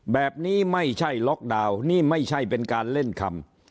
แบบนี้ไม่ใช่ล็อกดาวน์นี่ไม่ใช่เป็นการเล่นคำ